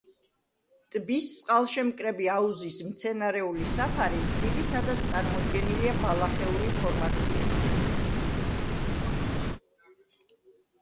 ტბის წყალშემკრები აუზის მცენარეული საფარი ძირითადად წარმოდგენილია ბალახეული ფორმაციებით.